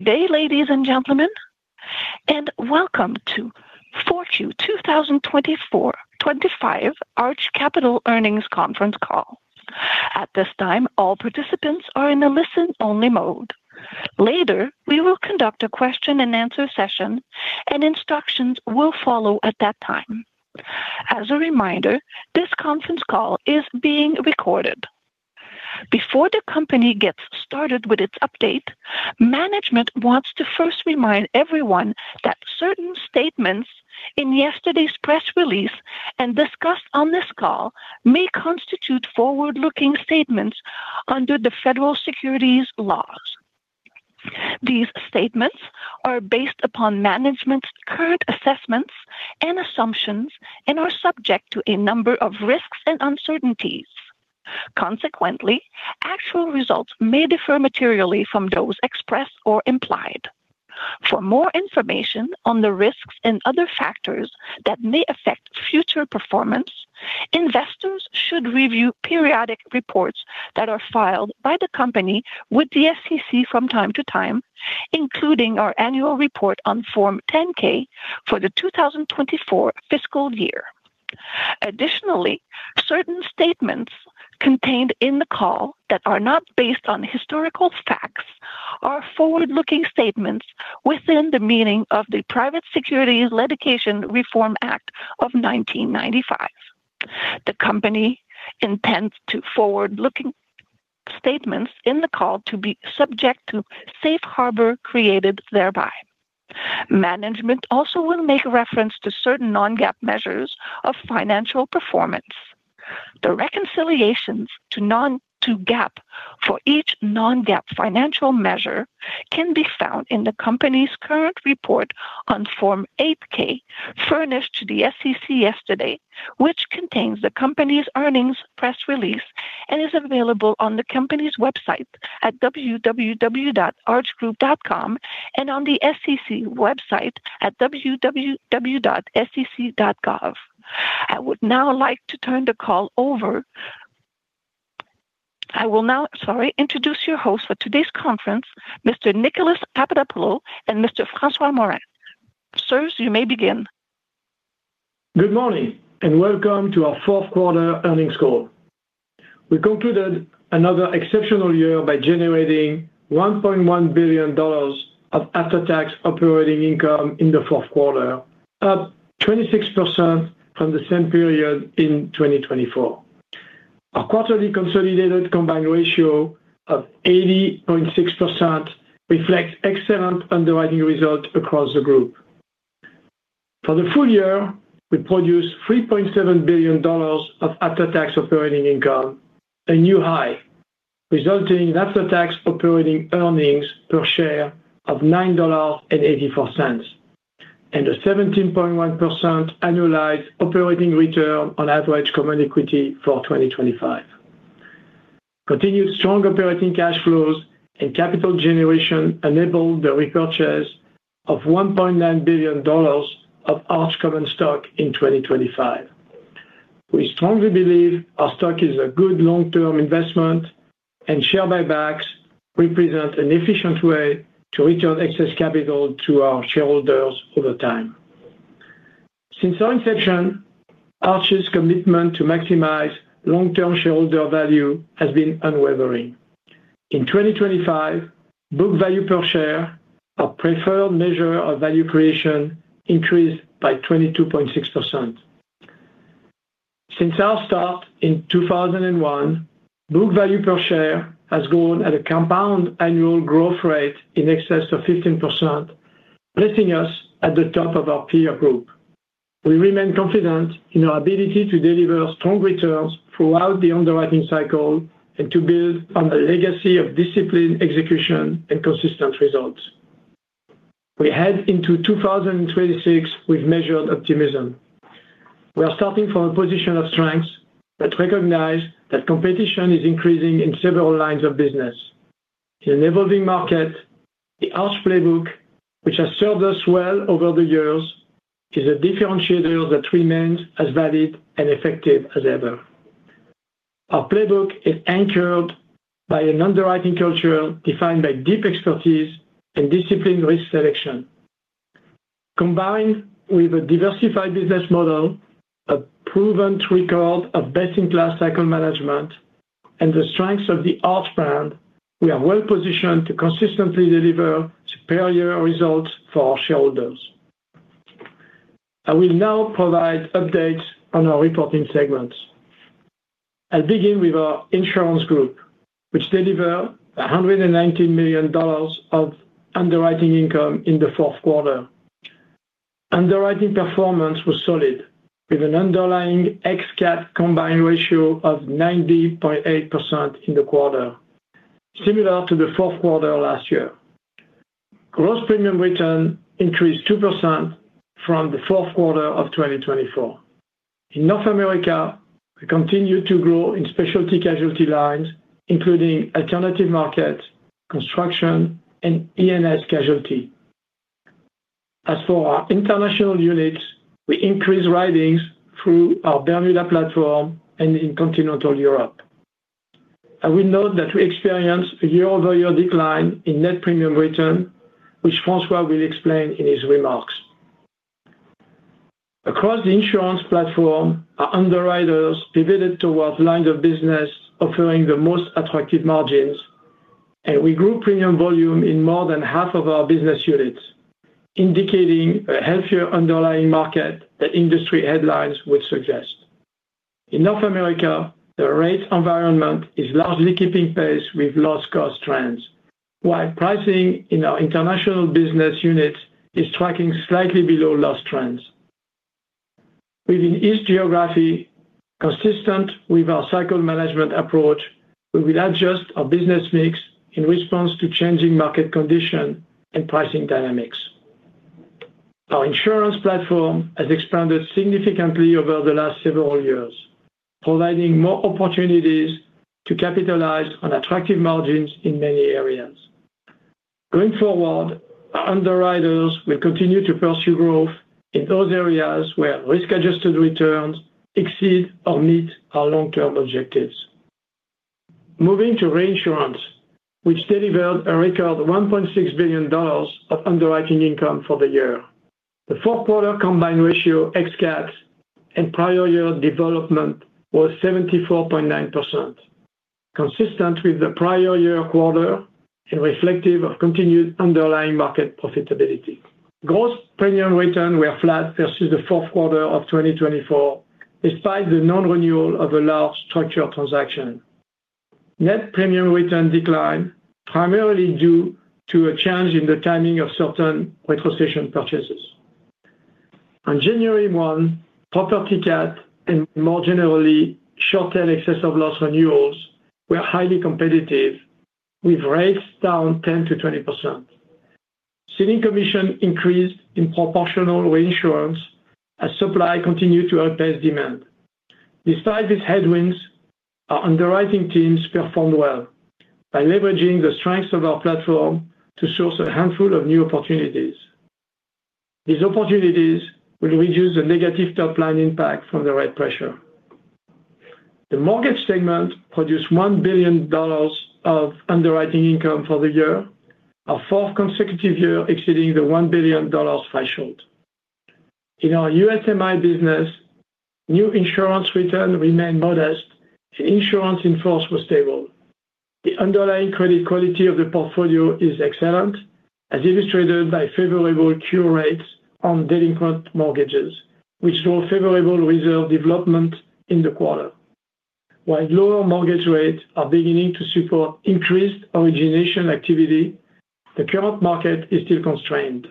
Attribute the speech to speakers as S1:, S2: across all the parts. S1: Today, ladies and gentlemen, and welcome to 4Q 2024-25 Arch Capital Earnings Conference Call. At this time, all participants are in a listen-only mode. Later, we will conduct a question-and-answer session, and instructions will follow at that time. As a reminder, this conference call is being recorded. Before the company gets started with its update, management wants to first remind everyone that certain statements in yesterday's press release and discussed on this call may constitute forward-looking statements under the federal securities laws. These statements are based upon management's current assessments and assumptions and are subject to a number of risks and uncertainties. Consequently, actual results may differ materially from those expressed or implied. For more information on the risks and other factors that may affect future performance, investors should review periodic reports that are filed by the company with the SEC from time to time, including our annual report on Form 10-K for the 2024 fiscal year. Additionally, certain statements contained in the call that are not based on historical facts are forward-looking statements within the meaning of the Private Securities Litigation Reform Act of 1995. The company intends to forward-looking statements in the call to be subject to safe harbor created thereby. Management also will make reference to certain non-GAAP measures of financial performance. The reconciliations to non-GAAP for each non-GAAP financial measure can be found in the company's current report on Form 8-K furnished to the SEC yesterday, which contains the company's earnings press release and is available on the company's website at www.archgroup.com and on the SEC website at www.sec.gov. I will now, sorry, introduce your hosts for today's conference, Mr. Nicolas Papadopoulo, and Mr. François Morin. Sirs, you may begin.
S2: Good morning and welcome to our fourth quarter earnings call. We concluded another exceptional year by generating $1.1 billion of after-tax operating income in the fourth quarter, up 26% from the same period in 2024. Our quarterly consolidated combined ratio of 80.6% reflects excellent underwriting results across the group. For the full year, we produced $3.7 billion of after-tax operating income, a new high, resulting in after-tax operating earnings per share of $9.84 and a 17.1% annualized operating return on average common equity for 2025. Continued strong operating cash flows and capital generation enabled the repurchase of $1.9 billion of Arch common stock in 2025. We strongly believe our stock is a good long-term investment, and share buybacks represent an efficient way to return excess capital to our shareholders over time. Since our inception, Arch's commitment to maximize long-term shareholder value has been unwavering. In 2025, book value per share, our preferred measure of value creation, increased by 22.6%. Since our start in 2001, book value per share has grown at a compound annual growth rate in excess of 15%, placing us at the top of our peer group. We remain confident in our ability to deliver strong returns throughout the underwriting cycle and to build on a legacy of disciplined execution and consistent results. We head into 2026 with measured optimism. We are starting from a position of strengths but recognize that competition is increasing in several lines of business. In an evolving market, the Arch Playbook, which has served us well over the years, is a differentiator that remains as valid and effective as ever. Our playbook is anchored by an underwriting culture defined by deep expertise and disciplined risk selection. Combined with a diversified business model, a proven record of best-in-class cycle management, and the strengths of the Arch brand, we are well positioned to consistently deliver superior results for our shareholders. I will now provide updates on our reporting segments. I'll begin with our insurance group, which delivered $119 million of underwriting income in the fourth quarter. Underwriting performance was solid, with an underlying ex-cat combined ratio of 90.8% in the quarter, similar to the fourth quarter last year. Gross premiums written increased 2% from the fourth quarter of 2024. In North America, we continue to grow in specialty casualty lines, including alternative markets, construction, and E&S casualty. As for our international units, we increased writings through our Bermuda platform and in continental Europe. I will note that we experienced a year-over-year decline in net premiums written, which François will explain in his remarks. Across the insurance platform, our underwriters pivoted towards lines of business offering the most attractive margins, and we grew premium volume in more than half of our business units, indicating a healthier underlying market that industry headlines would suggest. In North America, the rate environment is largely keeping pace with loss-cost trends, while pricing in our international business units is tracking slightly below loss trends. Within each geography, consistent with our cycle management approach, we will adjust our business mix in response to changing market conditions and pricing dynamics. Our insurance platform has expanded significantly over the last several years, providing more opportunities to capitalize on attractive margins in many areas. Going forward, our underwriters will continue to pursue growth in those areas where risk-adjusted returns exceed or meet our long-term objectives. Moving to reinsurance, which delivered a record $1.6 billion of underwriting income for the year. The fourth-quarter combined ratio ex-cat and prior-year development was 74.9%, consistent with the prior-year quarter and reflective of continued underlying market profitability. Gross premium returns were flat versus the fourth quarter of 2024, despite the non-renewal of a large structure transaction. Net premium return declined primarily due to a change in the timing of certain retrocession purchases. On January 1, property cap and, more generally, short-term excess of loss renewals were highly competitive, with rates down 10%-20%. Ceding commission increased in proportional reinsurance as supply continued to outpace demand. Despite these headwinds, our underwriting teams performed well by leveraging the strengths of our platform to source a handful of new opportunities. These opportunities will reduce the negative top-line impact from the rate pressure. The mortgage segment produced $1 billion of underwriting income for the year, our fourth consecutive year exceeding the $1 billion threshold. In our USMI business, new insurance returns remain modest, and insurance enforcement was stable. The underlying credit quality of the portfolio is excellent, as illustrated by favorable cure rates on delinquent mortgages, which show favorable reserve development in the quarter. While lower mortgage rates are beginning to support increased origination activity, the current market is still constrained.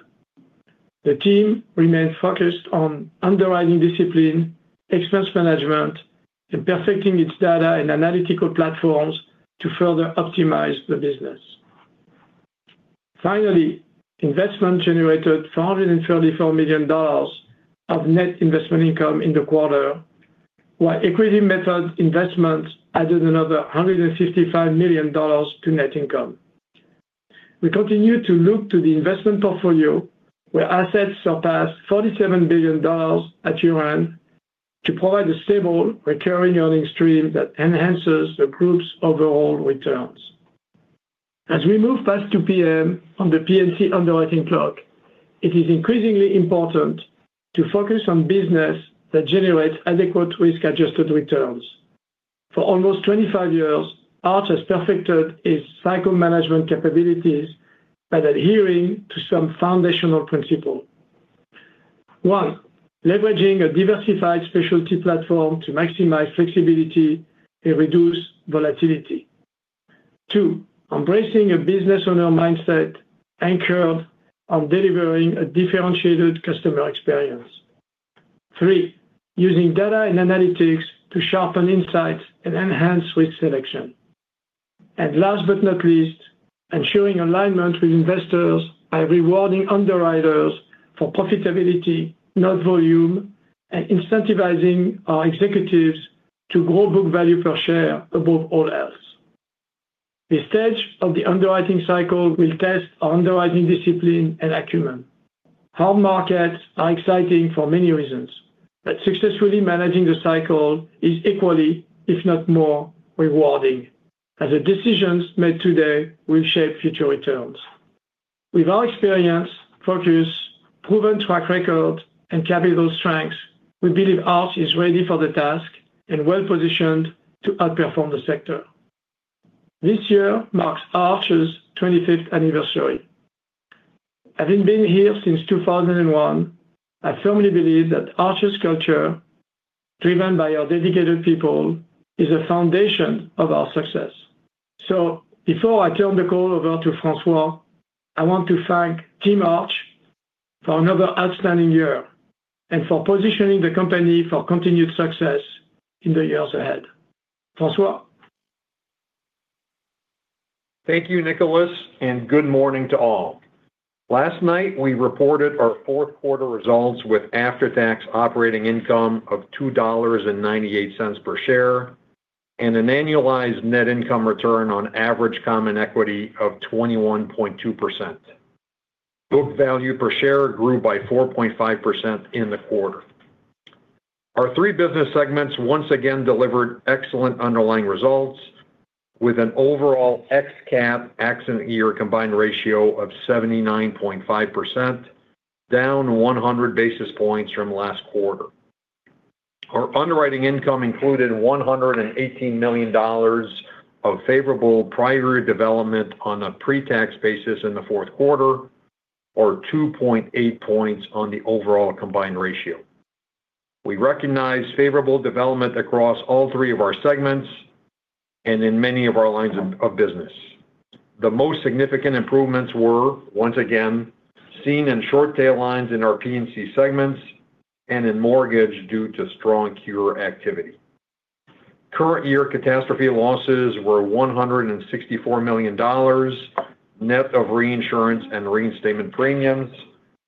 S2: The team remains focused on underwriting discipline, expense management, and perfecting its data and analytical platforms to further optimize the business. Finally, investment generated $434 million of net investment income in the quarter, while equity method investments added another $155 million to net income. We continue to look to the investment portfolio, where assets surpass $47 billion at year-end, to provide a stable, recurring earnings stream that enhances the group's overall returns. As we move past 2:00 P.M. on the P&C underwriting clock, it is increasingly important to focus on business that generates adequate risk-adjusted returns. For almost 25 years, Arch has perfected its cycle management capabilities by adhering to some foundational principles: one, leveraging a diversified specialty platform to maximize flexibility and reduce volatility; two, embracing a business owner mindset anchored on delivering a differentiated customer experience; three, using data and analytics to sharpen insights and enhance risk selection; and last but not least, ensuring alignment with investors by rewarding underwriters for profitability, not volume, and incentivizing our executives to grow book value per share above all else. This stage of the underwriting cycle will test our underwriting discipline and acumen. Hard markets are exciting for many reasons, but successfully managing the cycle is equally, if not more, rewarding, as the decisions made today will shape future returns. With our experience, focus, proven track record, and capital strengths, we believe Arch is ready for the task and well positioned to outperform the sector. This year marks Arch's 25th anniversary. Having been here since 2001, I firmly believe that Arch's culture, driven by our dedicated people, is the foundation of our success. So before I turn the call over to François, I want to thank Team Arch for another outstanding year and for positioning the company for continued success in the years ahead. François.
S3: Thank you, Nicolas, and good morning to all. Last night, we reported our fourth quarter results with after-tax operating income of $2.98 per share and an annualized net income return on average common equity of 21.2%. Book value per share grew by 4.5% in the quarter. Our three business segments once again delivered excellent underlying results with an overall ex-cat accident year combined ratio of 79.5%, down 100 basis points from last quarter. Our underwriting income included $118 million of favorable prior development on a pre-tax basis in the fourth quarter, or 2.8 points on the overall combined ratio. We recognize favorable development across all three of our segments and in many of our lines of business. The most significant improvements were, once again, seen in short-tail lines in our P&C segments and in mortgage due to strong cure activity. Current-year catastrophe losses were $164 million net of reinsurance and reinstatement premiums,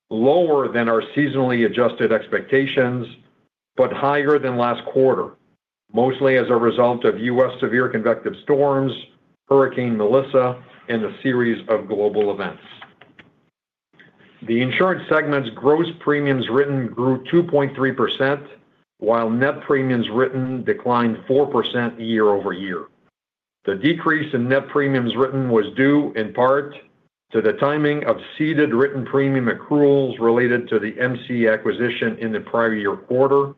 S3: lower than our seasonally adjusted expectations but higher than last quarter, mostly as a result of U.S. severe convective storms, Hurricane Melissa, and a series of global events. The insurance segment's gross premiums written grew 2.3%, while net premiums written declined 4% year-over-year. The decrease in net premiums written was due, in part, to the timing of ceded written premium accruals related to the MC acquisition in the prior-year quarter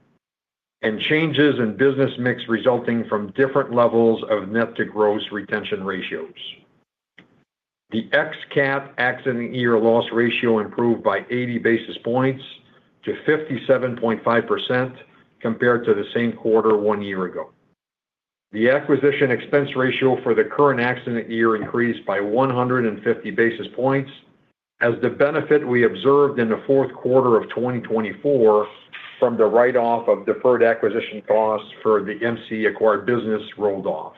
S3: and changes in business mix resulting from different levels of net-to-gross retention ratios. The ex-cat accident year loss ratio improved by 80 basis points to 57.5% compared to the same quarter one year ago. The acquisition expense ratio for the current accident year increased by 150 basis points, as the benefit we observed in the fourth quarter of 2024 from the write-off of deferred acquisition costs for the MC-acquired business rolled off.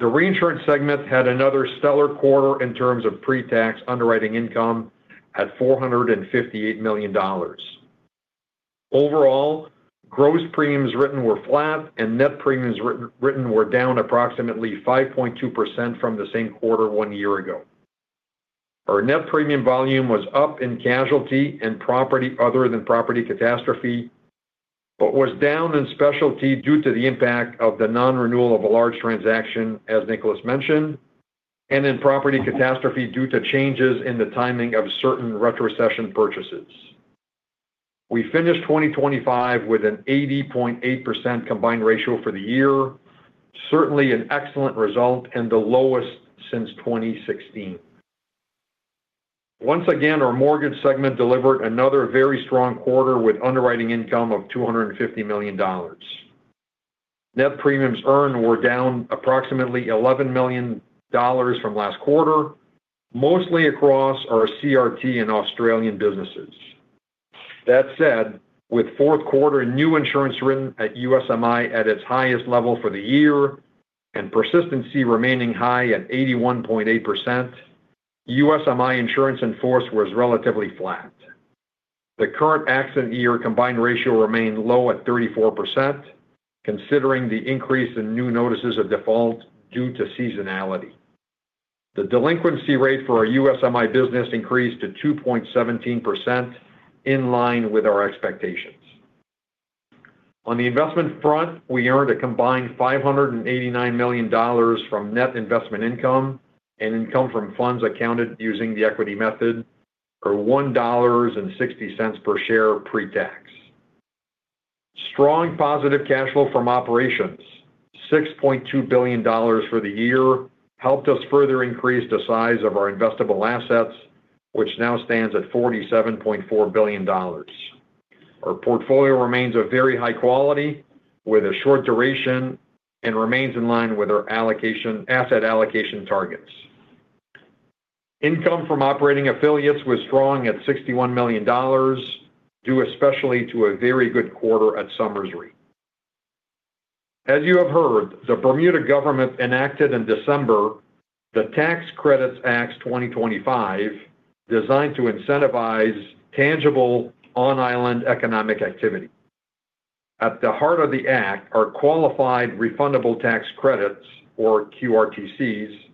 S3: The reinsurance segment had another stellar quarter in terms of pre-tax underwriting income at $458 million. Overall, gross premiums written were flat, and net premiums written were down approximately 5.2% from the same quarter one year ago. Our net premium volume was up in casualty and property other than property catastrophe but was down in specialty due to the impact of the non-renewal of a large transaction, as Nicolas mentioned, and in property catastrophe due to changes in the timing of certain retrocession purchases. We finished 2024 with an 80.8% combined ratio for the year, certainly an excellent result and the lowest since 2016. Once again, our mortgage segment delivered another very strong quarter with underwriting income of $250 million. Net premiums earned were down approximately $11 million from last quarter, mostly across our CRT and Australian businesses. That said, with fourth quarter new insurance written at USMI at its highest level for the year and persistency remaining high at 81.8%, USMI insurance in force was relatively flat. The current accident year combined ratio remained low at 34%, considering the increase in new notices of default due to seasonality. The delinquency rate for our USMI business increased to 2.17%, in line with our expectations. On the investment front, we earned a combined $589 million from net investment income and income from funds accounted using the equity method, or $1.60 per share pre-tax. Strong positive cash flow from operations, $6.2 billion for the year, helped us further increase the size of our investable assets, which now stands at $47.4 billion. Our portfolio remains of very high quality, with a short duration, and remains in line with our asset allocation targets. Income from operating affiliates was strong at $61 million, due especially to a very good quarter at Somers Re. As you have heard, the Bermuda government enacted in December the Tax Credits Act 2025, designed to incentivize tangible on-island economic activity. At the heart of the act are qualified refundable tax credits, or QRTCs,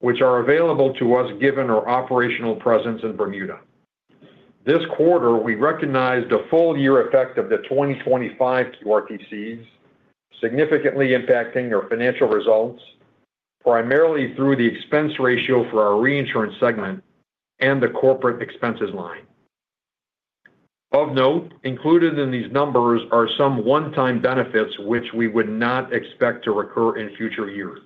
S3: which are available to us given our operational presence in Bermuda. This quarter, we recognized a full-year effect of the 2025 QRTCs, significantly impacting our financial results, primarily through the expense ratio for our reinsurance segment and the corporate expenses line. Of note, included in these numbers are some one-time benefits which we would not expect to recur in future years.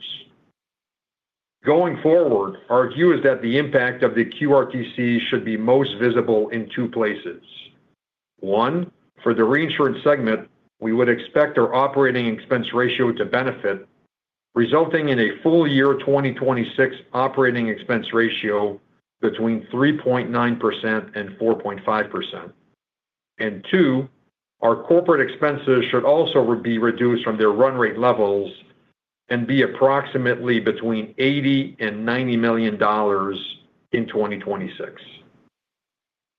S3: Going forward, our view is that the impact of the QRTCs should be most visible in two places. One, for the reinsurance segment, we would expect our operating expense ratio to benefit, resulting in a full-year 2026 operating expense ratio between 3.9%-4.5%. And two, our corporate expenses should also be reduced from their run-rate levels and be approximately between $80-$90 million in 2026.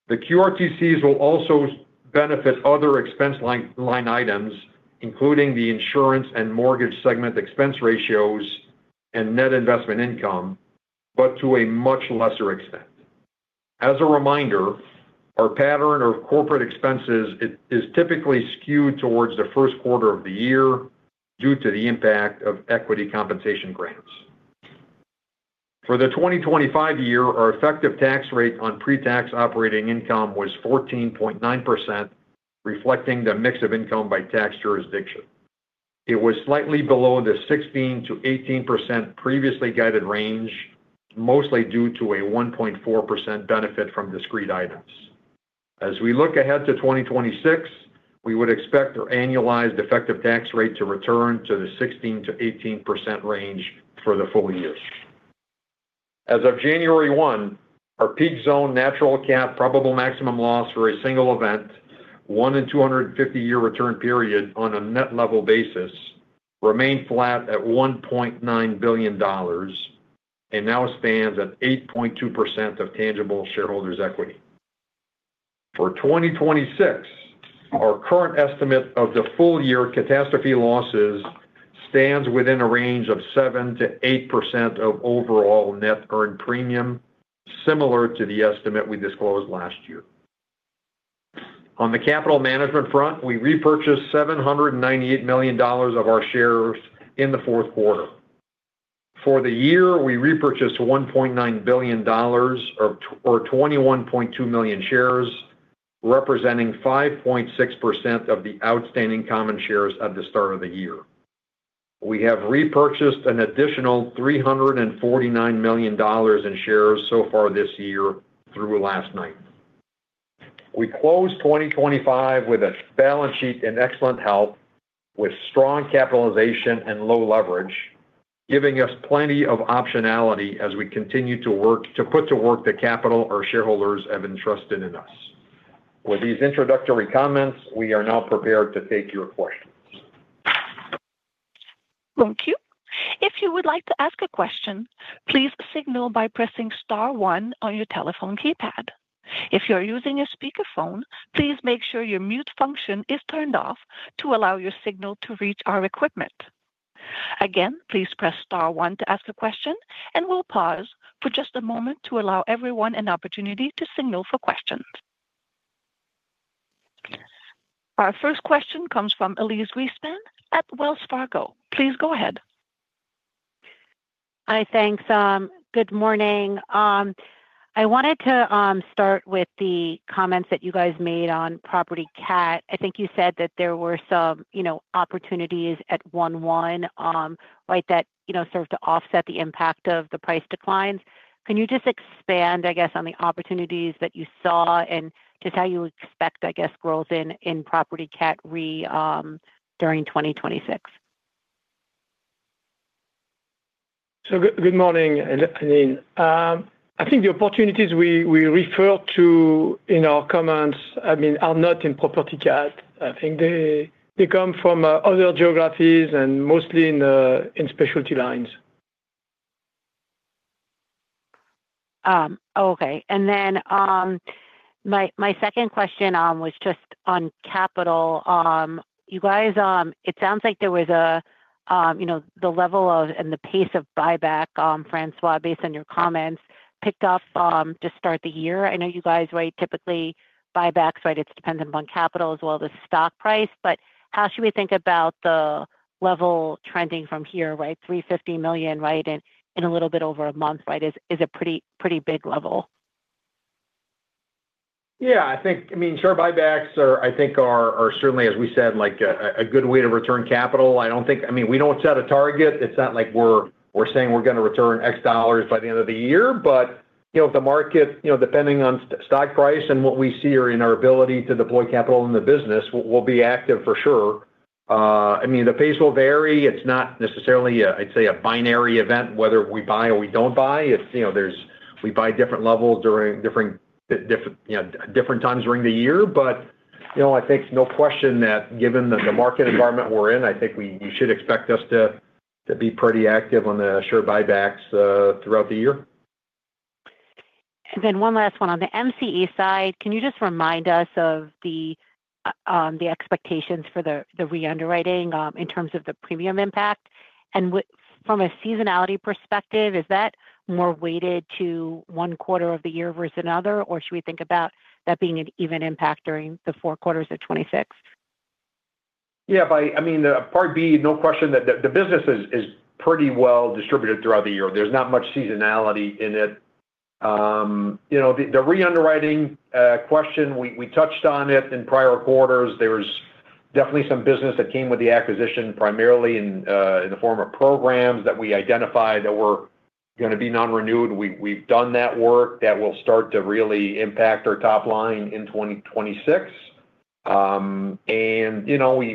S3: The QRTCs will also benefit other expense line items, including the insurance and mortgage segment expense ratios and net investment income, but to a much lesser extent. As a reminder, our pattern of corporate expenses is typically skewed towards the first quarter of the year due to the impact of equity compensation grants. For the 2025 year, our effective tax rate on pre-tax operating income was 14.9%, reflecting the mix of income by tax jurisdiction. It was slightly below the 16%-18% previously guided range, mostly due to a 1.4% benefit from discrete items. As we look ahead to 2026, we would expect our annualized effective tax rate to return to the 16%-18% range for the full year. As of January 1, our peak zone nat cat probable maximum loss for a single event, 1-in-250-year return period on a net level basis, remained flat at $1.9 billion and now stands at 8.2% of tangible shareholders' equity. For 2026, our current estimate of the full-year catastrophe losses stands within a range of 7%-8% of overall net earned premium, similar to the estimate we disclosed last year. On the capital management front, we repurchased $798 million of our shares in the fourth quarter. For the year, we repurchased $1.9 billion or 21.2 million shares, representing 5.6% of the outstanding common shares at the start of the year. We have repurchased an additional $349 million in shares so far this year through last night. We closed 2024 with a balance sheet in excellent health, with strong capitalization and low leverage, giving us plenty of optionality as we continue to put to work the capital our shareholders have entrusted in us. With these introductory comments, we are now prepared to take your questions.
S1: Thank you. If you would like to ask a question, please signal by pressing star one on your telephone keypad. If you are using a speakerphone, please make sure your mute function is turned off to allow your signal to reach our equipment. Again, please press star one to ask a question, and we'll pause for just a moment to allow everyone an opportunity to signal for questions. Our first question comes from Elyse Greenspan at Wells Fargo. Please go ahead.
S4: Hi, thanks. Good morning. I wanted to start with the comments that you guys made on property cat. I think you said that there were some opportunities at one-one that served to offset the impact of the price declines. Can you just expand, I guess, on the opportunities that you saw and just how you expect, I guess, growth in property cat re during 2026?
S2: So good morning, Elyse. I think the opportunities we referred to in our comments, I mean, are not in property cat. I think they come from other geographies and mostly in specialty lines.
S4: Okay. And then my second question was just on capital. It sounds like there was the level of and the pace of buyback, François, based on your comments, picked up to start the year. I know you guys typically buybacks, it depends upon capital as well as the stock price. But how should we think about the level trending from here, $350 million in a little bit over a month? Is it pretty big level?
S3: Yeah. I mean, share buybacks are, I think, certainly, as we said, a good way to return capital. I mean, we don't set a target. It's not like we're saying we're going to return $X by the end of the year. But if the market, depending on stock price and what we see or in our ability to deploy capital in the business, we'll be active for sure. I mean, the pace will vary. It's not necessarily, I'd say, a binary event whether we buy or we don't buy. We buy different levels during different times during the year. But I think no question that given the market environment we're in, I think you should expect us to be pretty active on the share buybacks throughout the year.
S4: And then one last one. On the MCE side, can you just remind us of the expectations for the re-underwriting in terms of the premium impact? And from a seasonality perspective, is that more weighted to one quarter of the year versus another? Or should we think about that being an even impact during the four quarters of 2026?
S3: Yeah. I mean, part B, no question that the business is pretty well distributed throughout the year. There's not much seasonality in it. The re-underwriting question, we touched on it in prior quarters. There was definitely some business that came with the acquisition, primarily in the form of programs that we identified that were going to be non-renewed. We've done that work. That will start to really impact our top line in 2026. And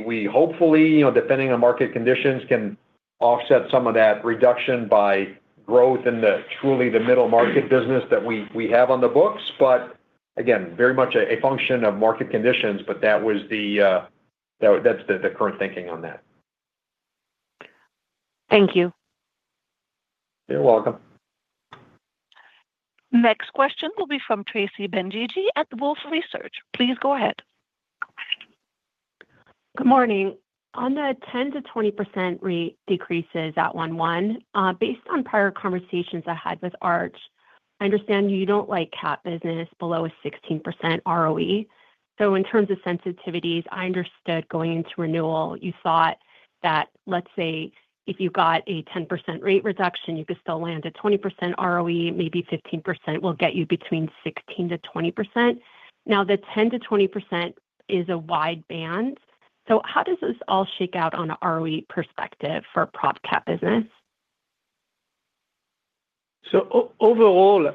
S3: we hopefully, depending on market conditions, can offset some of that reduction by growth in truly the middle market business that we have on the books. But again, very much a function of market conditions. But that's the current thinking on that.
S4: Thank you.
S3: You're welcome.
S1: Next question will be from Tracy Benguigui at Wolfe Research. Please go ahead.
S5: Good morning. On the 10%-20% decreases at 1/1, based on prior conversations I had with Arch, I understand you don't like cat business below a 16% ROE. So in terms of sensitivities, I understood going into renewal, you thought that, let's say, if you got a 10% rate reduction, you could still land a 20% ROE, maybe 15% will get you between 16%-20%. Now, the 10%-20% is a wide band. So how does this all shake out on an ROE perspective for prop cat business?
S2: So overall,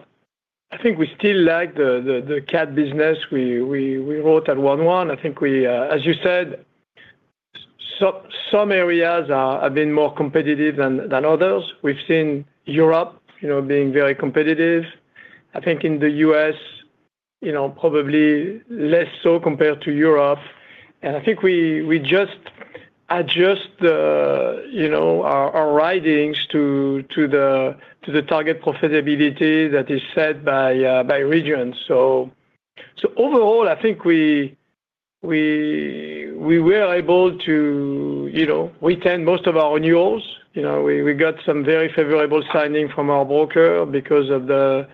S2: I think we still like the cat business we wrote at 1/1. I think, as you said, some areas have been more competitive than others. We've seen Europe being very competitive. I think in the U.S., probably less so compared to Europe. And I think we just adjust our writings to the target profitability that is set by regions. So overall, I think we were able to retain most of our renewals. We got some very favorable signings from our broker because of the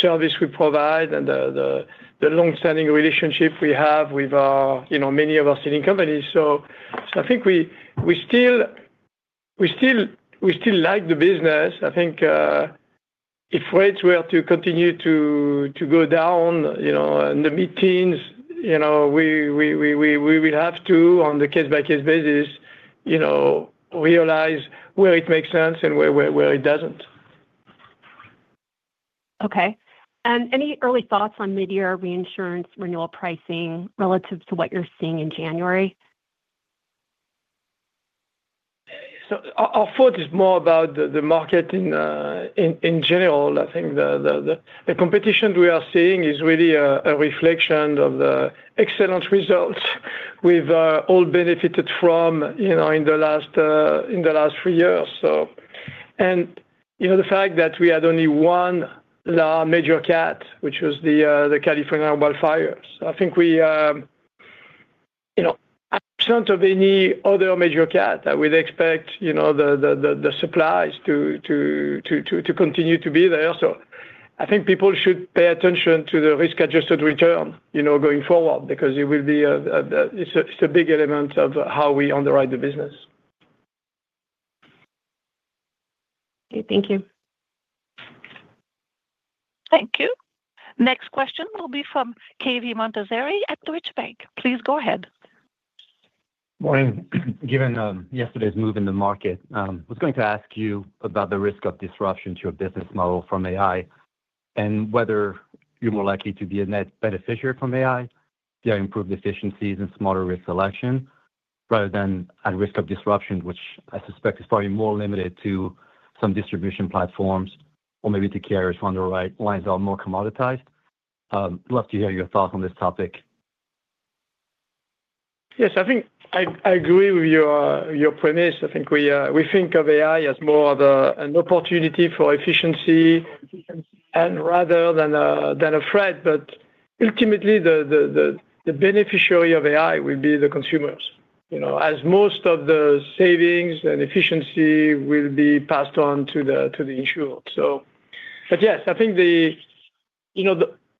S2: service we provide and the longstanding relationship we have with many of our ceding companies. So I think we still like the business. I think if rates were to continue to go down in the markets, we will have to, on the case-by-case basis, realize where it makes sense and where it doesn't.
S5: Okay. Any early thoughts on midyear reinsurance renewal pricing relative to what you're seeing in January?
S2: So our thought is more about the market in general. I think the competition we are seeing is really a reflection of the excellent results we've all benefited from in the last three years, so. The fact that we had only one large major cat, which was the California wildfire. So I think, absent of any other major cat, I would expect the supplies to continue to be there. So I think people should pay attention to the risk-adjusted return going forward because it's a big element of how we underwrite the business.
S5: Okay. Thank you.
S1: Thank you. Next question will be from Cave Montazeri at Deutsche Bank. Please go ahead.
S6: Morning. Given yesterday's move in the market, I was going to ask you about the risk of disruption to a business model from AI and whether you're more likely to be a net beneficiary from AI via improved efficiencies and smarter risk selection rather than at risk of disruption, which I suspect is probably more limited to some distribution platforms or maybe to carriers from the right lines that are more commoditized. Love to hear your thoughts on this topic.
S2: Yes. I think I agree with your premise. I think we think of AI as more of an opportunity for efficiency rather than a threat. But ultimately, the beneficiary of AI will be the consumers, as most of the savings and efficiency will be passed on to the insured. But yes, I think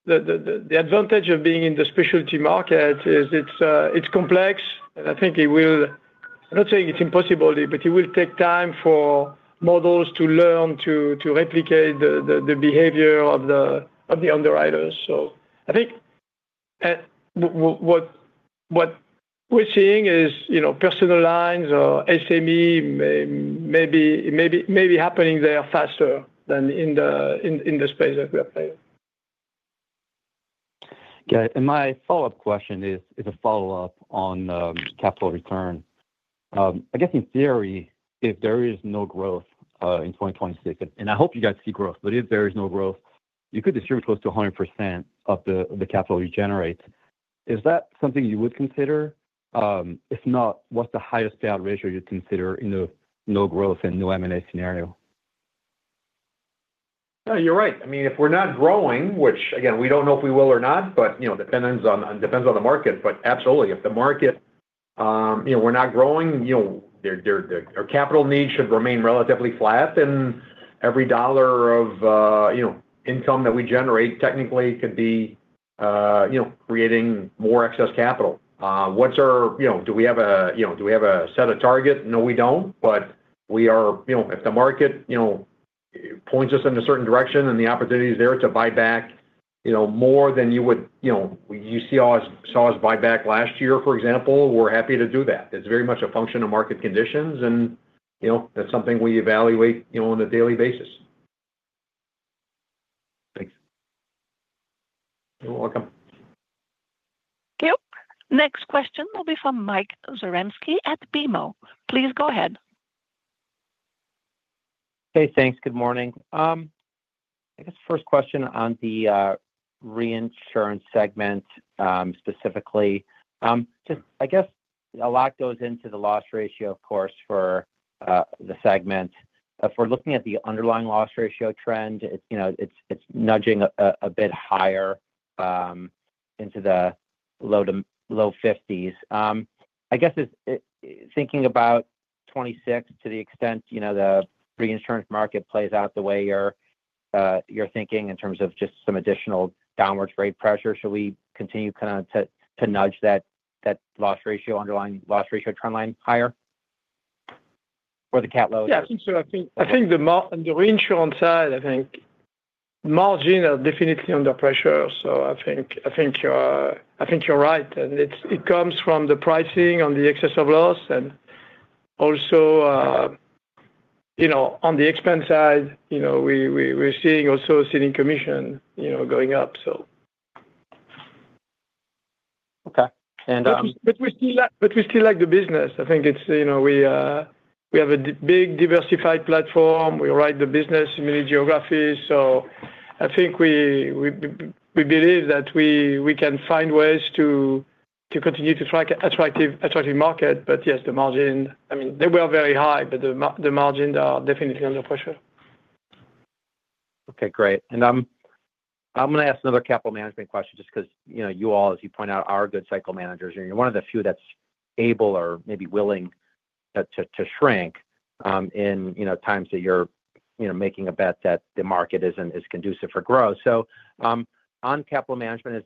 S2: the advantage of being in the specialty market is it's complex. And I think it will. I'm not saying it's impossible, but it will take time for models to learn to replicate the behavior of the underwriters. So I think what we're seeing is personal lines or SME may be happening there faster than in the space that we are playing.
S6: Got it. My follow-up question is a follow-up on capital return. I guess, in theory, if there is no growth in 2026 and I hope you guys see growth, but if there is no growth, you could distribute close to 100% of the capital you generate. Is that something you would consider? If not, what's the highest payout ratio you'd consider in a no-growth and no-M&A scenario?
S3: No, you're right. I mean, if we're not growing, which, again, we don't know if we will or not, but it depends on the market. But absolutely, if the market we're not growing, our capital needs should remain relatively flat. And every dollar of income that we generate technically could be creating more excess capital. Do we have a set of targets? No, we don't. But if the market points us in a certain direction and the opportunity is there to buy back more than you would. You saw us buy back last year, for example, we're happy to do that. It's very much a function of market conditions. And that's something we evaluate on a daily basis.
S6: Thanks.
S3: You're welcome.
S1: Thank you. Next question will be from Mike Zaremski at BMO. Please go ahead.
S7: Hey, thanks. Good morning. I guess first question on the reinsurance segment specifically. I guess a lot goes into the loss ratio, of course, for the segment. If we're looking at the underlying loss ratio trend, it's nudging a bit higher into the low 50s%. I guess thinking about 2026 to the extent the reinsurance market plays out the way you're thinking in terms of just some additional downwards rate pressure, should we continue kind of to nudge that underlying loss ratio trendline higher or the cat low?
S2: Yeah, I think so. I think on the reinsurance side, I think margins are definitely under pressure. So I think you're right. And it comes from the pricing on the excess of loss. And also, on the expense side, we're seeing also ceding commission going up, so.
S7: Okay. And.
S2: But we still like the business. I think we have a big diversified platform. We write the business in many geographies. So I think we believe that we can find ways to continue to track attractive market. But yes, the margins, I mean, they were very high, but the margins are definitely under pressure.
S7: Okay. Great. I'm going to ask another capital management question just because you all, as you point out, are good cycle managers. You're one of the few that's able or maybe willing to shrink in times that you're making a bet that the market isn't as conducive for growth. On capital management,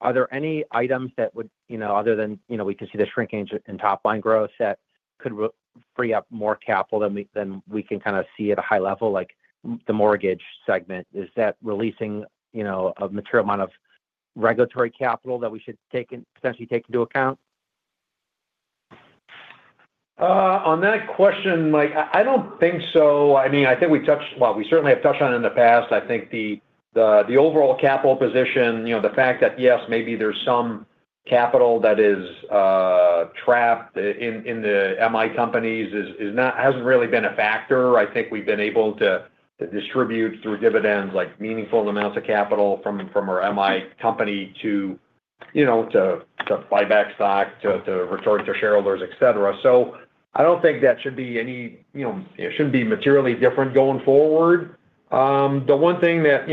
S7: are there any items that would other than we can see the shrinkage in top-line growth that could free up more capital than we can kind of see at a high level, like the mortgage segment? Is that releasing a material amount of regulatory capital that we should potentially take into account?
S3: On that question, Mike, I don't think so. I mean, I think we touched. Well, we certainly have touched on it in the past. I think the overall capital position, the fact that, yes, maybe there's some capital that is trapped in the MI companies, hasn't really been a factor. I think we've been able to distribute through dividends meaningful amounts of capital from our MI company to buy back stock, to return to shareholders, etc. So I don't think that should be any. It shouldn't be materially different going forward. The one thing that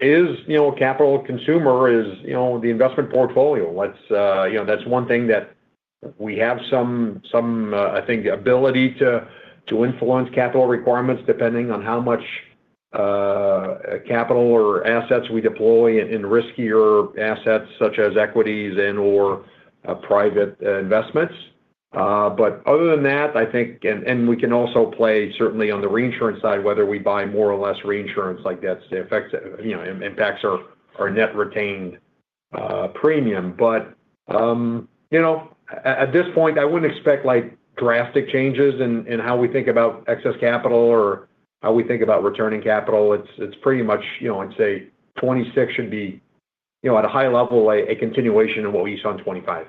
S3: is a capital consumer is the investment portfolio. That's one thing that we have some, I think, ability to influence capital requirements depending on how much capital or assets we deploy in riskier assets such as equities and/or private investments. But other than that, I think, and we can also play certainly on the reinsurance side whether we buy more or less reinsurance. That impacts our net retained premium. But at this point, I wouldn't expect drastic changes in how we think about excess capital or how we think about returning capital. It's pretty much, I'd say, 2026 should be, at a high level, a continuation of what we saw in 2025.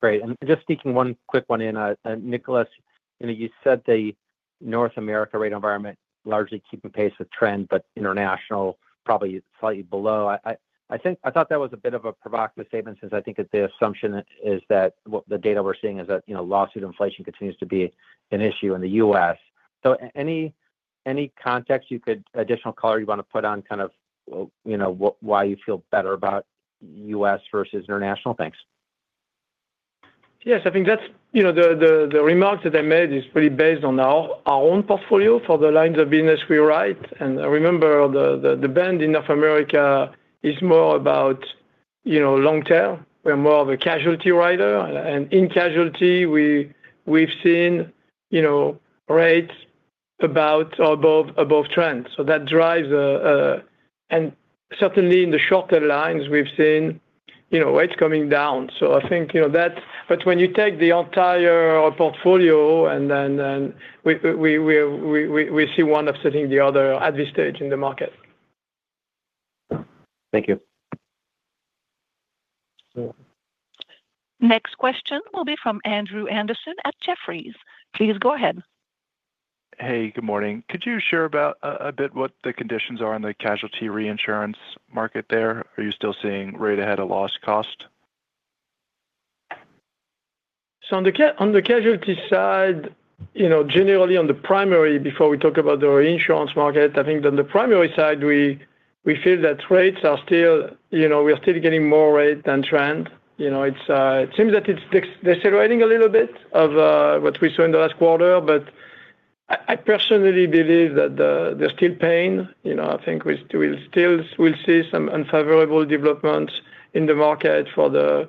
S7: Great. Just sneaking one quick one in, Nicolas, you said the North America rate environment largely keeping pace with trend, but international probably slightly below. I thought that was a bit of a provocative statement since I think that the assumption is that the data we're seeing is that lawsuit inflation continues to be an issue in the U.S. Any context you could additional color you want to put on kind of why you feel better about U.S. versus international things?
S2: Yes. I think the remarks that I made is really based on our own portfolio for the lines of business we write. I remember the band in North America is more about long-term. We're more of a casualty rider. And in casualty, we've seen rates about above trend. So that drives the and certainly, in the short-term lines, we've seen rates coming down. I think that but when you take the entire portfolio, and then we see one upsetting the other at this stage in the market.
S7: Thank you.
S1: Next question will be from Andrew Andersen at Jefferies. Please go ahead.
S8: Hey, good morning. Could you share about a bit what the conditions are in the casualty reinsurance market there? Are you still seeing right ahead a loss cost?
S2: So on the casualty side, generally, on the primary before we talk about the reinsurance market, I think on the primary side, we feel that rates are still. We're still getting more rate than trend. It seems that it's decelerating a little bit of what we saw in the last quarter. But I personally believe that there's still pain. I think we'll still see some unfavorable developments in the market for the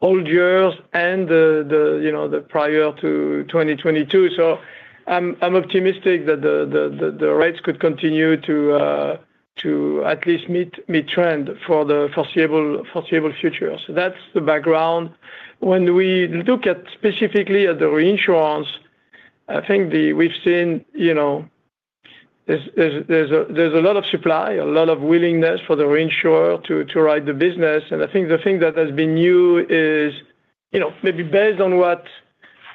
S2: old years and the prior to 2022. So I'm optimistic that the rates could continue to at least meet trend for the foreseeable future. So that's the background. When we look specifically at the reinsurance, I think we've seen there's a lot of supply, a lot of willingness for the reinsurer to write the business. I think the thing that has been new is maybe based on what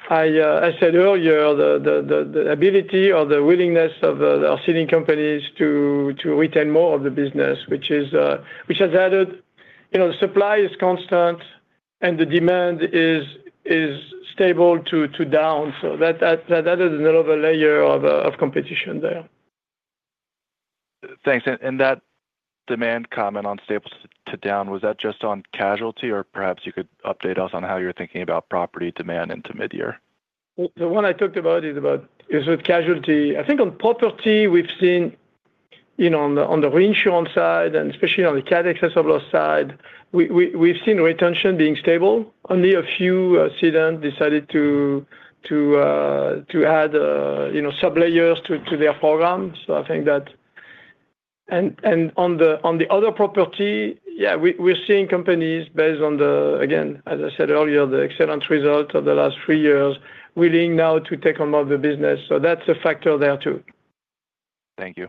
S2: I said earlier, the ability or the willingness of our ceding companies to retain more of the business, which has added to the supply is constant, and the demand is stable to down. So that added another layer of competition there.
S8: Thanks. And that demand comment on stable to down, was that just on casualty, or perhaps you could update us on how you're thinking about property demand into midyear?
S2: The one I talked about is with casualty. I think on property, we've seen on the reinsurance side and especially on the cat excess of loss side, we've seen retention being stable. Only a few cedants decided to add sub-layers to their program. So I think that and on the other property, yeah, we're seeing companies based on the, again, as I said earlier, the excellent results of the last three years willing now to take on more of the business. So that's a factor there too.
S8: Thank you.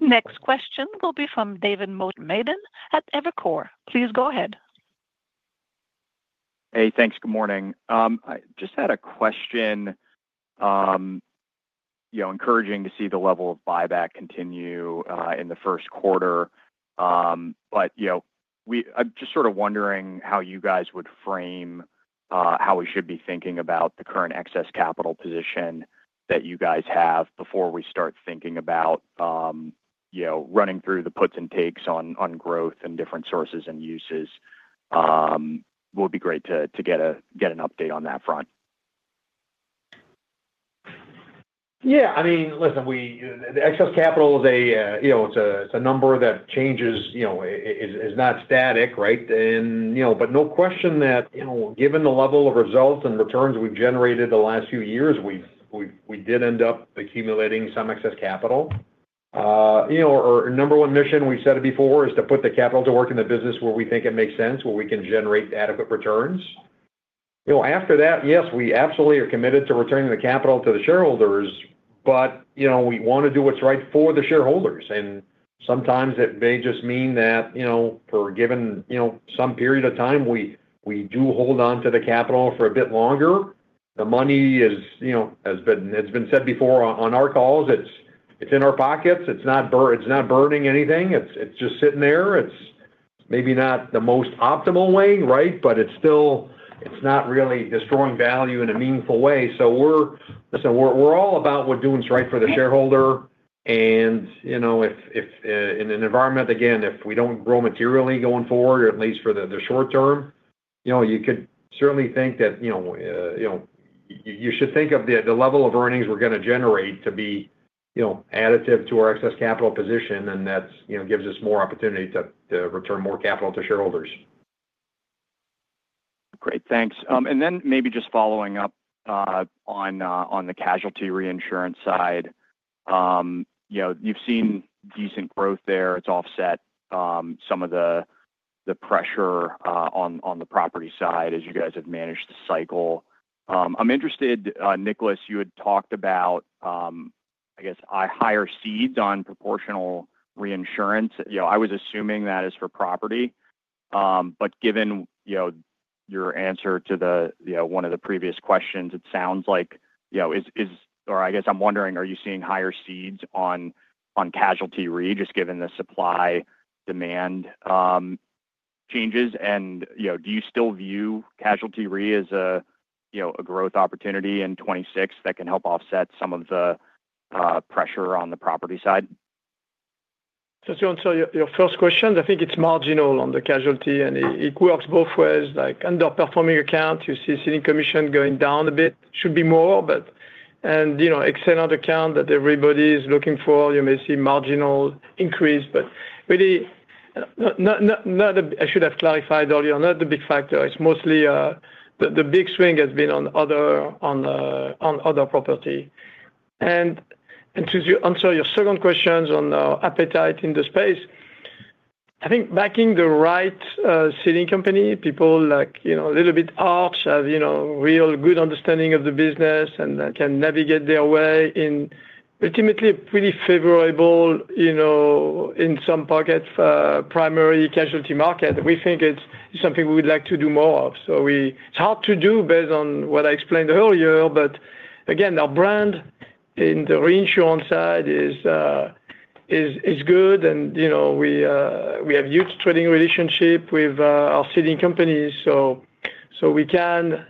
S1: Next question will be from David Motemaden at Evercore. Please go ahead.
S9: Hey, thanks. Good morning. I just had a question. Encouraging to see the level of buyback continue in the first quarter. But I'm just sort of wondering how you guys would frame how we should be thinking about the current excess capital position that you guys have before we start thinking about running through the puts and takes on growth and different sources and uses. It would be great to get an update on that front.
S3: Yeah. I mean, listen, the excess capital is, it's a number that changes. It's not static, right? But no question that given the level of results and returns we've generated the last few years, we did end up accumulating some excess capital. Our number one mission, we've said it before, is to put the capital to work in the business where we think it makes sense, where we can generate adequate returns. After that, yes, we absolutely are committed to returning the capital to the shareholders. But we want to do what's right for the shareholders. And sometimes it may just mean that for given some period of time, we do hold onto the capital for a bit longer. The money, it's been said before on our calls, it's in our pockets. It's not burning anything. It's just sitting there. It's maybe not the most optimal way, right? But it's not really destroying value in a meaningful way. So listen, we're all about what's doing right for the shareholder. And in an environment, again, if we don't grow materially going forward, or at least for the short term, you could certainly think that you should think of the level of earnings we're going to generate to be additive to our excess capital position. And that gives us more opportunity to return more capital to shareholders.
S9: Great. Thanks. And then maybe just following up on the casualty reinsurance side, you've seen decent growth there. It's offset some of the pressure on the property side as you guys have managed the cycle. I'm interested, Nicolas, you had talked about, I guess, higher ceding on proportional reinsurance. I was assuming that is for property. But given your answer to one of the previous questions, it sounds like or I guess I'm wondering, are you seeing higher ceding on casualty re, just given the supply-demand changes? And do you still view casualty re as a growth opportunity in 2026 that can help offset some of the pressure on the property side?
S2: So John, so your first question, I think it's marginal on the casualty. And it works both ways. Underperforming account, you see ceding commission going down a bit. Should be more, but. And excellent account that everybody is looking for, you may see marginal increase. But really, I should have clarified earlier, not the big factor. It's mostly the big swing has been on other property. And to answer your second question on appetite in the space, I think backing the right ceding company, people a little bit at Arch have real good understanding of the business and can navigate their way in ultimately a pretty favorable in some pocket primary casualty market. We think it's something we would like to do more of. So it's hard to do based on what I explained earlier. But again, our brand in the reinsurance side is good. We have a huge treaty relationship with our ceding companies. So we can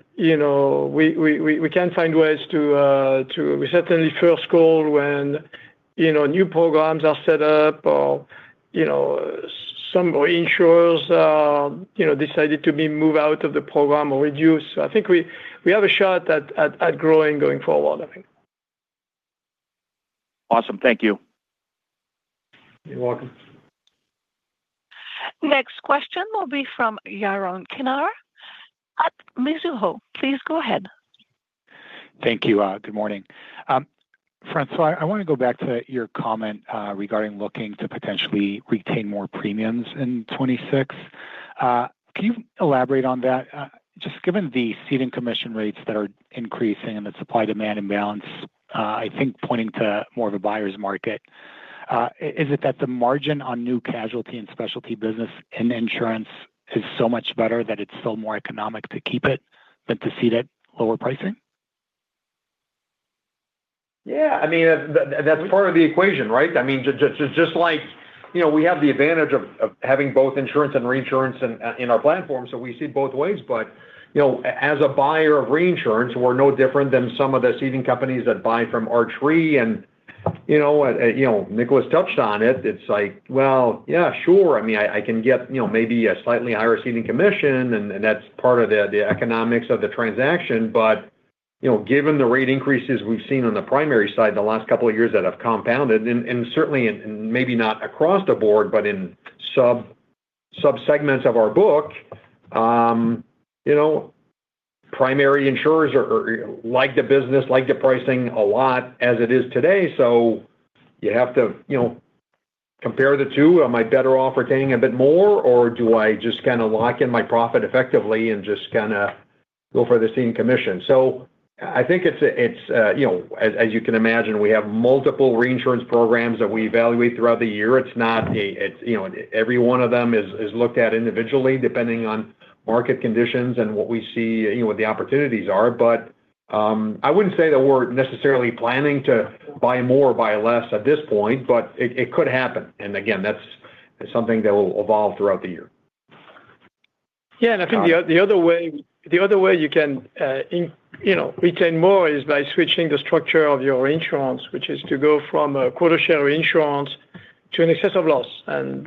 S2: find ways to. We certainly first call when new programs are set up or some reinsurers decided to move out of the program or reduce. So I think we have a shot at growing going forward, I think.
S9: Awesome. Thank you.
S2: You're welcome.
S1: Next question will be from Yaron Kinar at Mizuho. Please go ahead.
S10: Thank you. Good morning. François, I want to go back to your comment regarding looking to potentially retain more premiums in 2026. Can you elaborate on that? Just given the ceding commission rates that are increasing and the supply-demand imbalance, I think pointing to more of a buyer's market, is it that the margin on new casualty and specialty business in insurance is so much better that it's still more economic to keep it than to cede at lower pricing?
S3: Yeah. I mean, that's part of the equation, right? I mean, just like we have the advantage of having both insurance and reinsurance in our platform, so we see both ways. But as a buyer of reinsurance, we're no different than some of the ceding companies that buy from Arch Re. And Nicolas touched on it. It's like, "Well, yeah, sure. I mean, I can get maybe a slightly higher ceding commission." And that's part of the economics of the transaction. But given the rate increases we've seen on the primary side the last couple of years that have compounded, and certainly maybe not across the board, but in sub-segments of our book, primary insurers like the business, like the pricing a lot as it is today. So you have to compare the two. Am I better off retaining a bit more, or do I just kind of lock in my profit effectively and just kind of go for the ceding commission? So I think it's as you can imagine, we have multiple reinsurance programs that we evaluate throughout the year. It's not every one of them is looked at individually depending on market conditions and what we see what the opportunities are. But I wouldn't say that we're necessarily planning to buy more or buy less at this point. But it could happen. And again, that's something that will evolve throughout the year.
S2: Yeah. And I think the other way you can retain more is by switching the structure of your insurance, which is to go from quota-share reinsurance to an excess of loss. And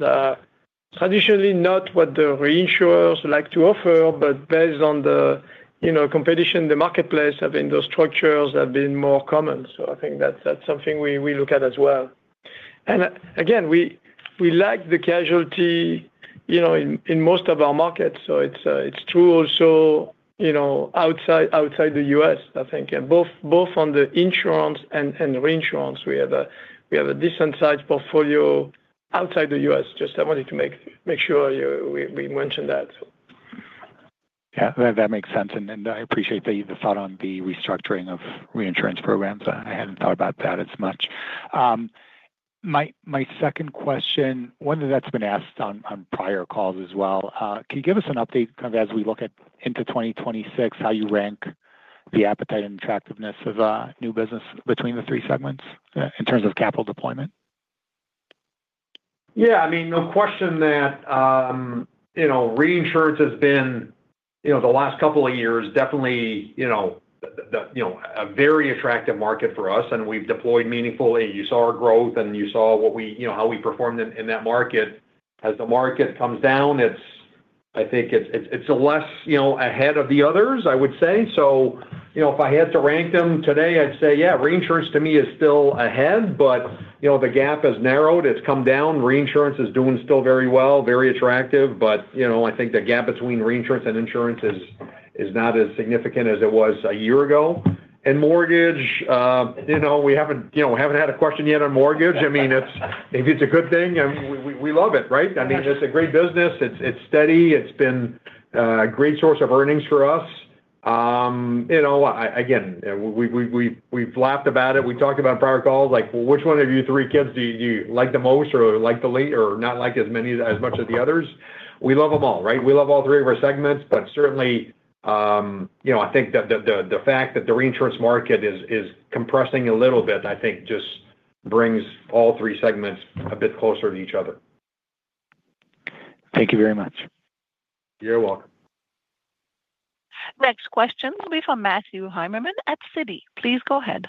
S2: traditionally, not what the reinsurers like to offer, but based on the competition, the marketplace having those structures have been more common. So I think that's something we look at as well. And again, we like the casualty in most of our markets. So it's true also outside the U.S., I think. And both on the insurance and reinsurance, we have a decent-sized portfolio outside the U.S. Just, I wanted to make sure we mentioned that.
S10: Yeah. That makes sense. I appreciate the thought on the restructuring of reinsurance programs. I hadn't thought about that as much. My second question, one that's been asked on prior calls as well, can you give us an update kind of as we look into 2026, how you rank the appetite and attractiveness of new business between the three segments in terms of capital deployment?
S3: Yeah. I mean, no question that reinsurance has been the last couple of years, definitely a very attractive market for us. And we've deployed meaningfully. You saw our growth, and you saw how we performed in that market. As the market comes down, I think it's less ahead of the others, I would say. So if I had to rank them today, I'd say, yeah, reinsurance to me is still ahead. But the gap has narrowed. It's come down. Reinsurance is doing still very well, very attractive. But I think the gap between reinsurance and insurance is not as significant as it was a year ago. And mortgage, we haven't had a question yet on mortgage. I mean, if it's a good thing, we love it, right? I mean, it's a great business. It's steady. It's been a great source of earnings for us. Again, we've laughed about it. We talked about it on prior calls. Which one of you three kids do you like the most or like the least or not like as much as the others? We love them all, right? We love all three of our segments. But certainly, I think that the fact that the reinsurance market is compressing a little bit, I think, just brings all three segments a bit closer to each other.
S10: Thank you very much.
S3: You're welcome.
S1: Next question will be from Matthew Heimermann at Citi. Please go ahead.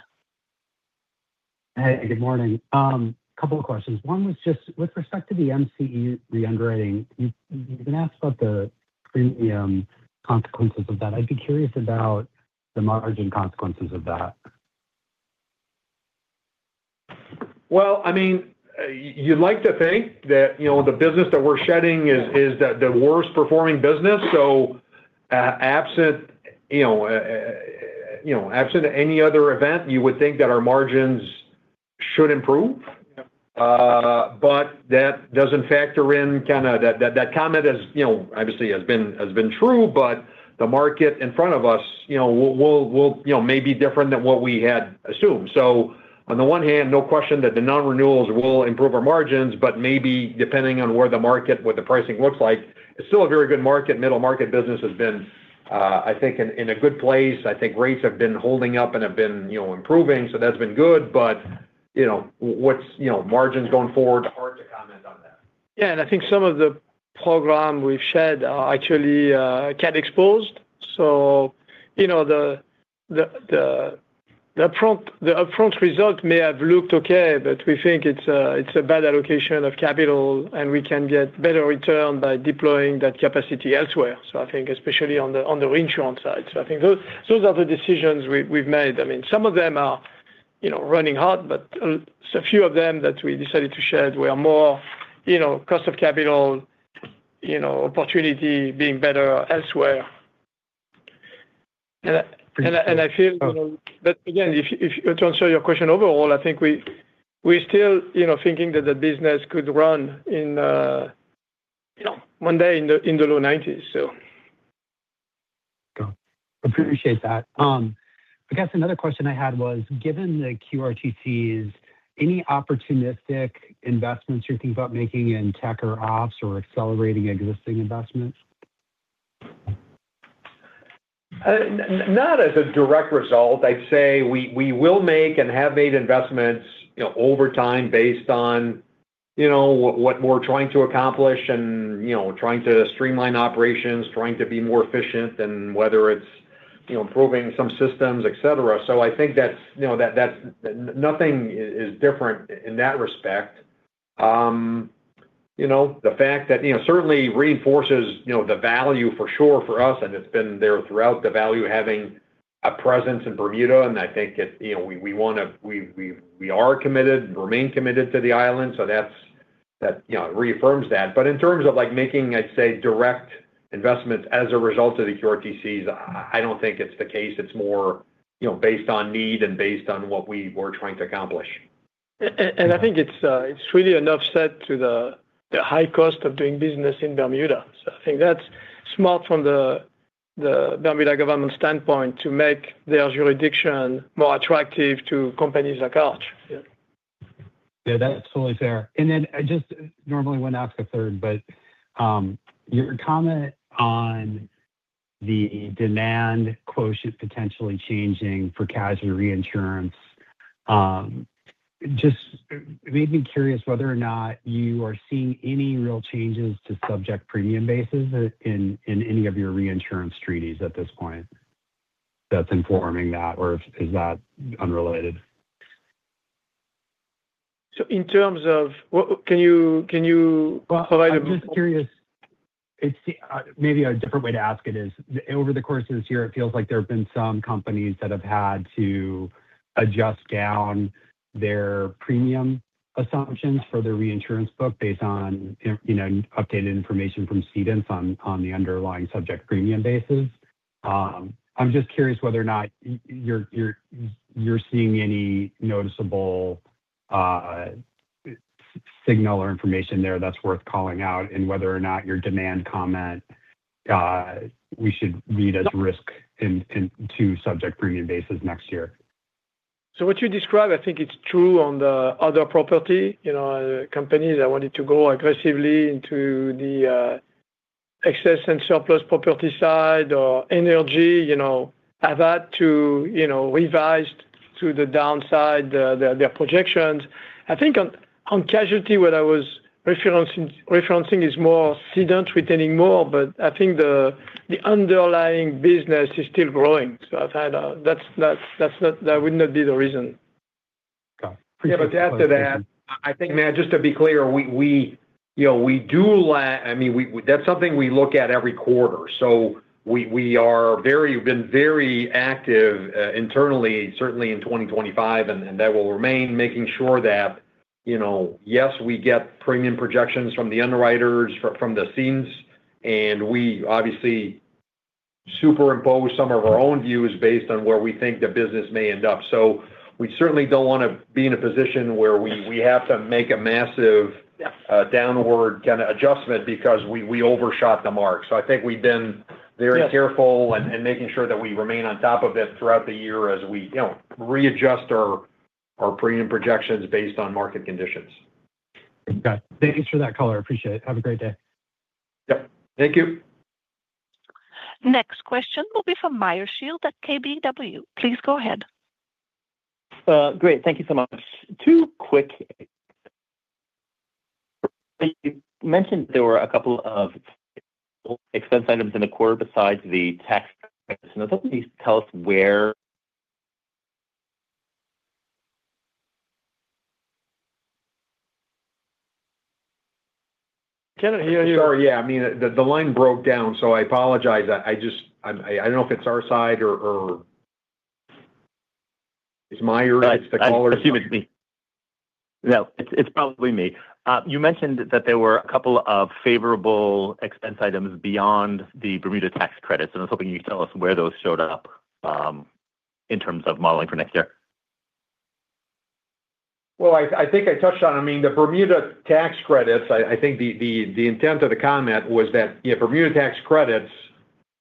S11: Hey. Good morning. A couple of questions. One was just with respect to the MCE re-underwriting, you've been asked about the premium consequences of that. I'd be curious about the margin consequences of that.
S3: Well, I mean, you'd like to think that the business that we're shedding is the worst performing business. So absent any other event, you would think that our margins should improve. But that doesn't factor in kind of that comment obviously has been true. But the market in front of us will may be different than what we had assumed. So on the one hand, no question that the non-renewals will improve our margins. But maybe depending on where the market, what the pricing looks like, it's still a very good market. Middle-market business has been, I think, in a good place. I think rates have been holding up and have been improving. So that's been good. But what's margins going forward? Hard to comment on that.
S2: Yeah. And I think some of the program we've shed are actually cat-exposed. So the upfront result may have looked okay, but we think it's a bad allocation of capital, and we can get better return by deploying that capacity elsewhere. So I think especially on the reinsurance side. So I think those are the decisions we've made. I mean, some of them are running hot, but it's a few of them that we decided to shed were more cost of capital, opportunity being better elsewhere. And I feel that again, to answer your question overall, I think we're still thinking that the business could run one day in the low 90s, so.
S11: Got it. Appreciate that. I guess another question I had was, given the QRTCs, any opportunistic investments you're thinking about making in tech or ops or accelerating existing investments?
S3: Not as a direct result. I'd say we will make and have made investments over time based on what we're trying to accomplish and trying to streamline operations, trying to be more efficient, and whether it's improving some systems, etc. So I think that nothing is different in that respect. The fact that certainly reinforces the value for sure for us, and it's been there throughout, the value of having a presence in Bermuda. And I think we are committed, remain committed to the island. So that reaffirms that. But in terms of making, I'd say, direct investments as a result of the QRTCs, I don't think it's the case. It's more based on need and based on what we were trying to accomplish.
S2: I think it's really an offset to the high cost of doing business in Bermuda. I think that's smart from the Bermuda government standpoint to make their jurisdiction more attractive to companies like Arch.
S11: Yeah. That's totally fair. And then I just normally want to ask a third, but your comment on the demand quote should potentially changing for casualty reinsurance just made me curious whether or not you are seeing any real changes to subject premium bases in any of your reinsurance treaties at this point that's informing that, or is that unrelated?
S2: So, in terms of, can you provide a?
S11: Well, I'm just curious. Maybe a different way to ask it is, over the course of this year, it feels like there have been some companies that have had to adjust down their premium assumptions for their reinsurance book based on updated information from cedent on the underlying subject premium bases. I'm just curious whether or not you're seeing any noticeable signal or information there that's worth calling out and whether or not your demand comment we should read as risk to subject premium bases next year.
S2: So what you describe, I think it's true on the other property companies that wanted to go aggressively into the excess and surplus property side or energy, have that revised to the downside their projections. I think on casualty, what I was referencing is more cedents retaining more. But I think the underlying business is still growing. So I've had that would not be the reason.
S11: Got it. Thank you.
S3: Yeah. But after that, I think, Matt, just to be clear, we do—I mean, that's something we look at every quarter. So we have been very active internally, certainly in 2025, and that will remain, making sure that, yes, we get premium projections from the underwriters, from the teams. And we obviously superimpose some of our own views based on where we think the business may end up. So we certainly don't want to be in a position where we have to make a massive downward kind of adjustment because we overshot the mark. So I think we've been very careful and making sure that we remain on top of it throughout the year as we readjust our premium projections based on market conditions.
S11: Got it. Thank you for that call. I appreciate it. Have a great day.
S3: Yep. Thank you.
S1: Next question will be from Meyer Shields at KBW. Please go ahead.
S12: Great. Thank you so much. Two quick, [inaudible] you mentioned there were a couple of expense items in the quarter besides the tax credits. Can you tell us where? [inaudible]
S2: Cannot hear you.
S3: I'm sorry. Yeah. I mean, the line broke down. I apologize. I don't know if it's our side or it's Meyer. It's the caller.
S12: Excuse me. No, it's probably me. You mentioned that there were a couple of favorable expense items beyond the Bermuda tax credits. And I was hoping you could tell us where those showed up in terms of modeling for next year.
S3: Well, I think I touched on I mean, the Bermuda tax credits, I think the intent of the comment was that Bermuda tax credits,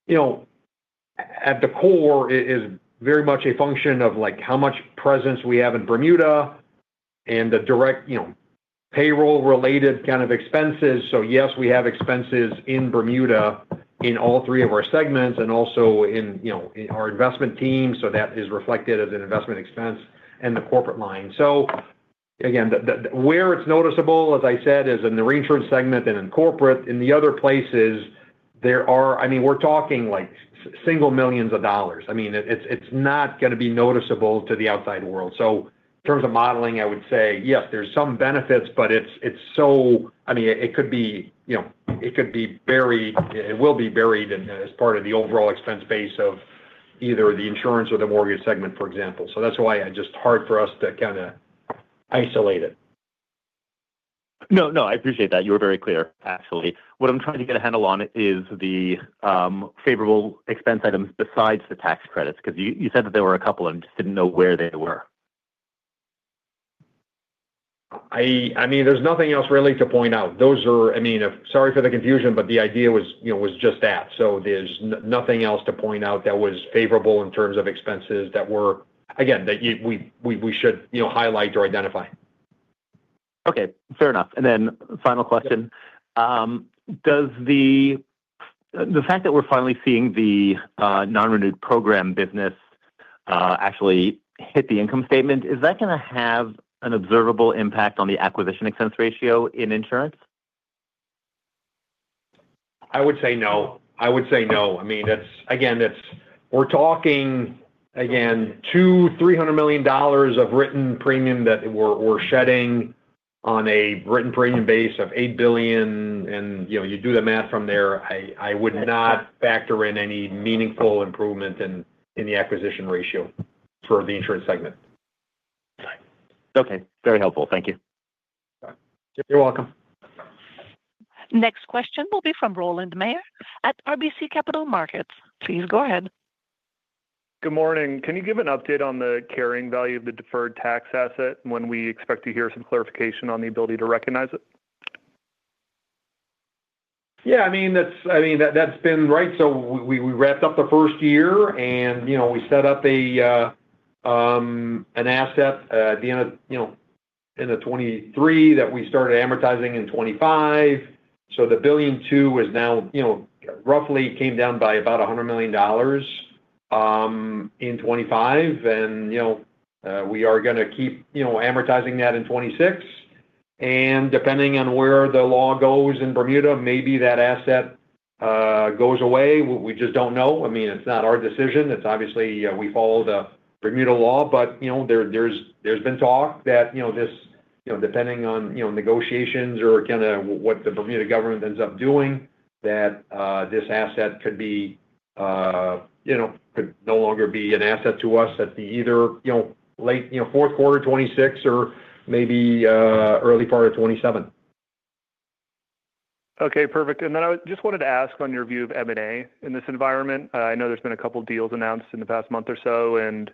S3: at the core, is very much a function of how much presence we have in Bermuda and the direct payroll-related kind of expenses. So yes, we have expenses in Bermuda in all three of our segments and also in our investment team. So that is reflected as an investment expense and the corporate line. So again, where it's noticeable, as I said, is in the reinsurance segment and in corporate. In the other places, there are I mean, we're talking single millions of dollars. I mean, it's not going to be noticeable to the outside world. So in terms of modeling, I would say, yes, there's some benefits, but it's so I mean, it will be buried as part of the overall expense base of either the insurance or the mortgage segment, for example. So that's why it's just hard for us to kind of isolate it.
S12: No, no. I appreciate that. You were very clear, actually. What I'm trying to get a handle on is the favorable expense items besides the tax credits because you said that there were a couple, and I just didn't know where they were.
S3: I mean, there's nothing else really to point out. I mean, sorry for the confusion, but the idea was just that. There's nothing else to point out that was favorable in terms of expenses that were, again, that we should highlight or identify.
S12: Okay. Fair enough. And then final question. The fact that we're finally seeing the non-renewed program business actually hit the income statement, is that going to have an observable impact on the acquisition expense ratio in insurance?
S3: I would say no. I would say no. I mean, again, we're talking, again, $2,300 million of written premium that we're shedding on a written premium base of $8 billion. And you do the math from there. I would not factor in any meaningful improvement in the acquisition ratio for the insurance segment.
S12: Okay. Okay. Very helpful. Thank you.
S3: You're welcome.
S1: Next question will be from Roland Meyer at RBC Capital Markets. Please go ahead.
S13: Good morning. Can you give an update on the carrying value of the deferred tax asset when we expect to hear some clarification on the ability to recognize it?
S3: Yeah. I mean, that's been right. So we wrapped up the first year, and we set up an asset at the end of 2023 that we started amortizing in 2025. So the $1.2 billion now roughly came down by about $100 million in 2025. And we are going to keep amortizing that in 2026. And depending on where the law goes in Bermuda, maybe that asset goes away. We just don't know. I mean, it's not our decision. Obviously, we follow the Bermuda law. But there's been talk that depending on negotiations or kind of what the Bermuda government ends up doing, that this asset could be could no longer be an asset to us at either late fourth quarter 2026, or maybe early part of 2027.
S13: Okay. Perfect. And then I just wanted to ask on your view of M&A in this environment. I know there's been a couple of deals announced in the past month or so. And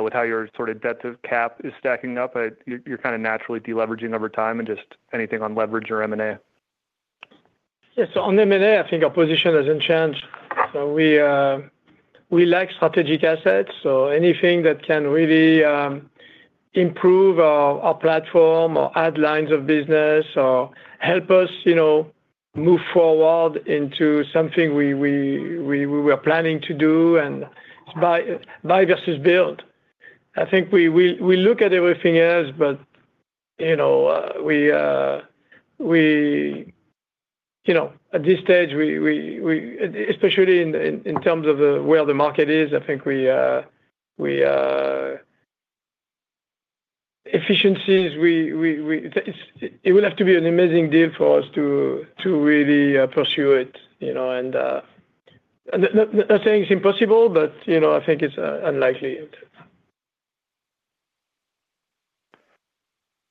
S13: with how your sort of debt cap is stacking up, you're kind of naturally deleveraging over time and just anything on leverage or M&A?
S2: Yeah. So on M&A, I think our position hasn't changed. So we like strategic assets. So anything that can really improve our platform or add lines of business or help us move forward into something we were planning to do and buy versus build. I think we look at everything else, but at this stage, especially in terms of where the market is, I think efficiencies, it will have to be an amazing deal for us to really pursue it. And nothing's impossible, but I think it's unlikely.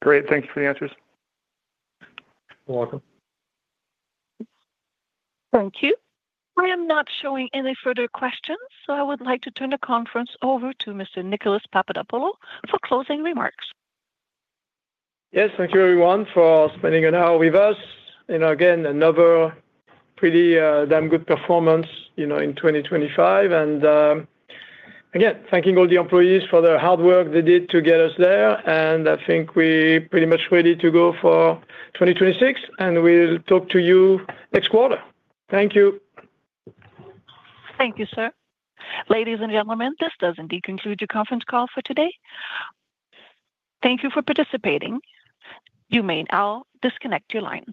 S13: Great. Thank you for the answers.
S3: You're welcome.
S1: Thank you. I am not showing any further questions. So I would like to turn the conference over to Mr. Nicolas Papadopoulo for closing remarks.
S2: Yes. Thank you, everyone, for spending an hour with us. Again, another pretty damn good performance in 2025. And again, thanking all the employees for the hard work they did to get us there. And I think we're pretty much ready to go for 2026, and we'll talk to you next quarter. Thank you.
S1: Thank you, sir. Ladies and gentlemen, this does indeed conclude your conference call for today. Thank you for participating. You may now disconnect your lines.